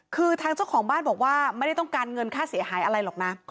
คือทางเจ้าของบ้านบอกว่าไม่ได้ต้องการเงินค่าเสียหายอะไรหรอกนะ